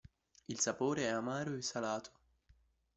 Il sapore è amaro e salato.